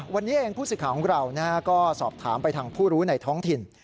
วันนี้เองผู้สื่อข่าวของเราก็สอบถามไปทางผู้รู้ในท้องถิ่น